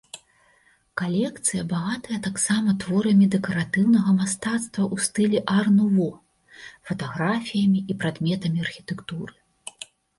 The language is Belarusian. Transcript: Калекцыя багатая таксама творамі дэкаратыўнага мастацтва ў стылі ар-нуво, фатаграфіямі і прадметамі архітэктуры.